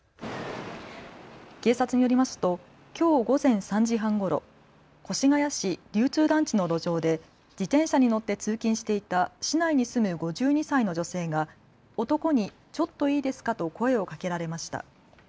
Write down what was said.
警察によりますときょう午前３時半ごろ、越谷市流通団地の路上で自転車に乗って通勤していた市内に住む５２歳の女性が男にちょっといいですかと声をかけられました。